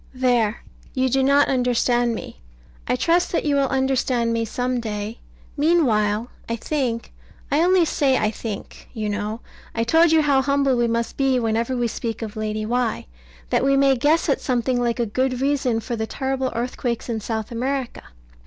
There you do not understand me. I trust that you will understand me some day. Meanwhile, I think I only say I think you know I told you how humble we must be whenever we speak of Lady Why that we may guess at something like a good reason for the terrible earthquakes in South America.